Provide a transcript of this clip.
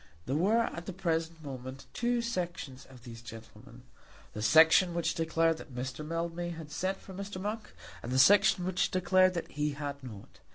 There were at the present moment two sections of these gentlemen, the section which declared that Mr. Mildmay had sent for Mr. Monk, and the section which declared that he had not.